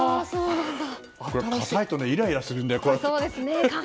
かたいとイライラするんだよ。